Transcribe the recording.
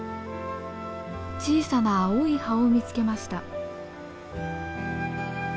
小さな青い葉を見つけました。